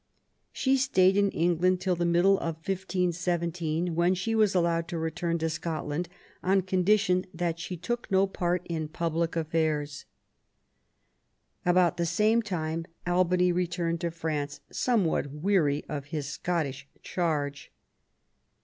She stayed in England till the middle of 1517, when she was allowed to return to Scotland on condition that she took no part in public affairs. About the same time Albany returned to France, somewhat weary of his Scottish charge.